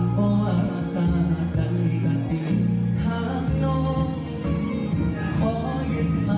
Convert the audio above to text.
เพลง